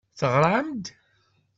Teɣram-d.